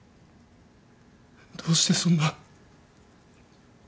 どうしてそんな。